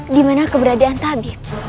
dimana keberadaan tabib